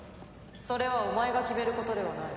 それはお前が決めることではない。